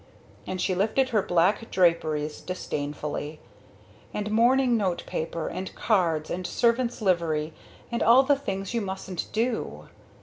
and she lifted her black draperies disdainfully. "And mourning notepaper and cards and servant's livery and all the things you mustn't do!"